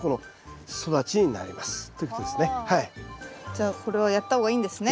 じゃあこれはやった方がいいんですね。